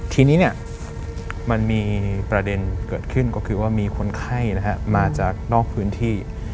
ทีนี้มันมีประเด็นเกิดขึ้นก็คือว่ามีคนไข้มาจากนอกพื้นที่